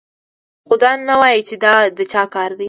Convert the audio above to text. خو دا نه وايي چې دا د چا کار دی